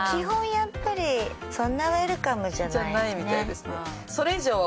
やっぱりそんなウェルカムじゃないね。